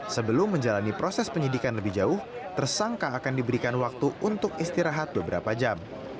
sebelum menjalani proses penyidikan lebih jauh tersangka akan diberikan waktu untuk istirahat beberapa jam